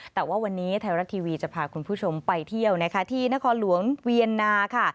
แต่ว่าวันนี้ไทยรัฐทีวีจะพาคุณผู้ชมไปเที่ยวนะคะที่นครหลวงเวียนนาค่ะ